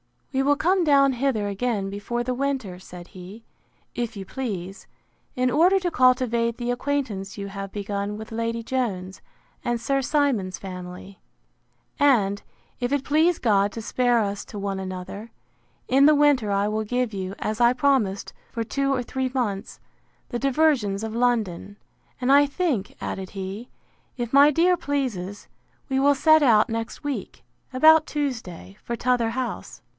We will come down hither again before the winter, said he, if you please, in order to cultivate the acquaintance you have begun with Lady Jones, and Sir Simon's family; and, if it please God to spare us to one another, in the winter I will give you, as I promised for two or three months, the diversions of London. And I think, added he, if my dear pleases, we will set out next week, about Tuesday, for t'other house.